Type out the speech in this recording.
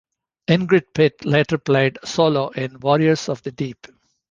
Ingrid Pitt later played Solow in "Warriors of the Deep".